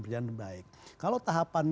berjalan baik kalau tahapan